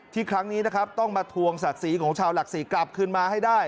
ครั้งนี้นะครับต้องมาทวงศักดิ์ศรีของชาวหลักศรีกลับขึ้นมาให้ได้